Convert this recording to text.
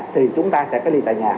thì chúng ta sẽ cách ly tại nhà